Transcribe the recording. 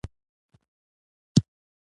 موږ د وطن پر طرف روان سوو.